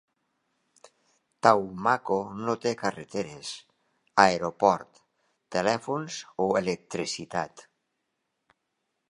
Taumako no té carreteres, aeroport, telèfons o electricitat.